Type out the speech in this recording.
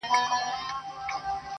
• نفیب ټول ژوند د غُلامانو په رکم نیسې.